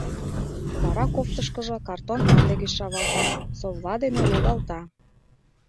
Вара кофтышкыжо картон ате гыч шавалта, совла дене лугалта.